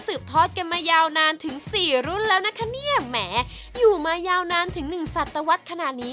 ทอดกันมายาวนานถึงสี่รุ่นแล้วนะคะเนี่ยแหมอยู่มายาวนานถึงหนึ่งสัตวรรษขนาดนี้